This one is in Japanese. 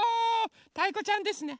たいこちゃんですね。